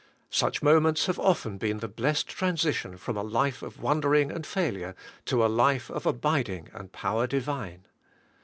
Such mo ments have often been the blessed transition from a life of wandering and failure to a life of abiding and power Divine.